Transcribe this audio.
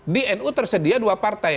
di nu tersedia dua partai